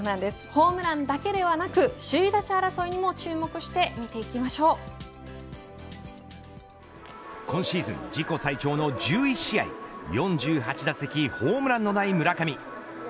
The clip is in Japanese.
ホームランだけではなく首位打者争いにも注目して今シーズン自己最長の１１試合４８打席ホームランのない村上。